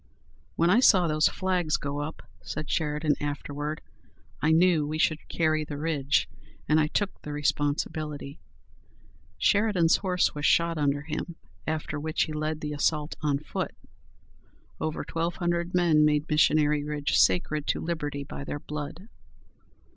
"When I saw those flags go up," said Sheridan afterward, "I knew we should carry the ridge, and I took the responsibility." Sheridan's horse was shot under him, after which he led the assault on foot. Over twelve hundred men made Missionary Ridge sacred to liberty by their blood.